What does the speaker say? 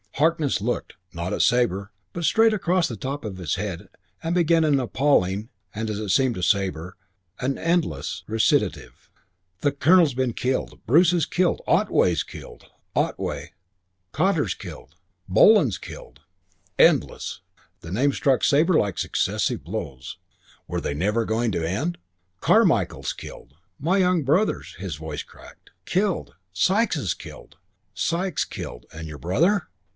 Harkness looked, not at Sabre, but straight across the top of his head and began an appalling, and as it seemed to Sabre, an endless recitative. "The Colonel's killed. Bruce is killed. Otway's killed " "Otway...." "Cottar's killed. Bullen's killed " Endless! The names struck Sabre like successive blows. Were they never going to end? "Carmichael's killed. My young brother's " his voice cracked "killed. Sikes is killed." "Sikes killed.... And your brother...."